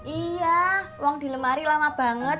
iya uang dilemari lama banget